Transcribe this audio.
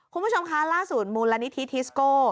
คุณผู้ชมคะล่าสุดมูลนิธิทิสโก้